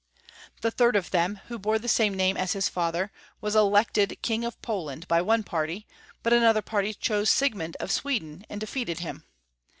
The third of them, Avho bore the same name as his father, was elected King of Poland by one party, but another party chose Siegmund of Sweden, and defeated him.